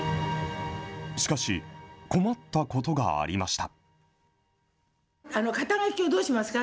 しかし、困ったことがありました。